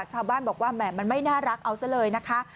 ชาวบ้านบอกว่าแหม่มันไม่น่ารักเอาซะเลยนะคะ